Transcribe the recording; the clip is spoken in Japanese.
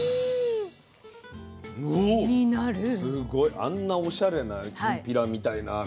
おっすごい！あんなおしゃれなきんぴらみたいな料理すごいね。